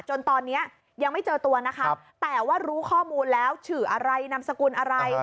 จนตอนนี้ยังไม่เจอตัวนะคะแต่ว่ารู้ข้อมูลแล้วชื่ออะไรนามสกุลอะไร